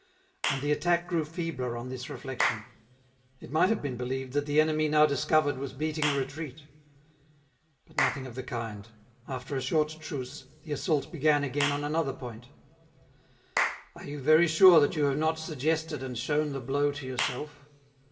And the attack grew feebler, on this reflection ; it might have been believed that the enemy now discovered was beating a retreat. But nothing of the kind ; after a short truce, the assault began again on another point, " Are you very sure that you have not suggested and shown the blow to yourself?